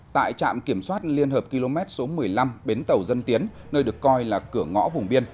tại trạm kiểm soát liên hợp km số một mươi năm bến tàu dân tiến nơi được coi là cửa ngõ vùng biên